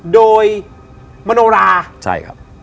โดยมโนรา